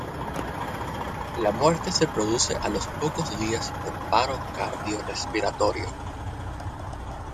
La muerte se produce a los pocos días por paro cardiorrespiratorio.